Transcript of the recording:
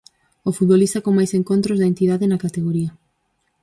O futbolista con máis encontros da entidade na categoría.